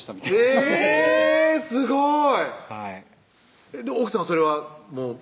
えぇすごっ！